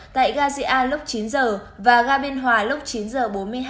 tại gà dị an lúc chín giờ và gà biên hòa lúc chín giờ bốn mươi hai